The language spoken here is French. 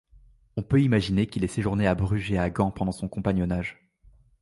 On peut imaginer qu'il ait séjourné à Bruges et à Gand pendant son compagnonnage.